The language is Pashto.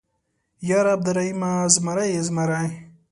_ياره عبرالرحيمه ، زمری يې زمری.